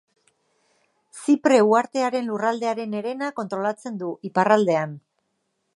Zipre uhartearen lurraldearen herena kontrolatzen du, iparraldean.